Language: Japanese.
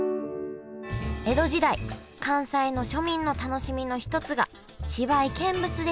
江戸時代関西の庶民の楽しみの一つが芝居見物でした。